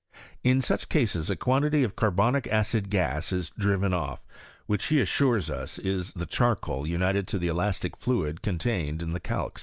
In such cases a quantity of carboD ic acid gas is driven off, which he assures us ia the charcoal united to the elastic fluid contained in the calx.